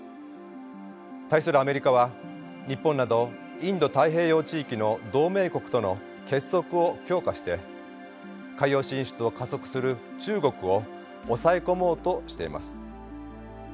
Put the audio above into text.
対するアメリカは日本などインド太平洋地域の同盟国との結束を強化して海洋進出を加速する中国を抑え込もうとしています。